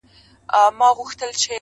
په دا تش دیدن به ولي خپل زړګی خوشالومه-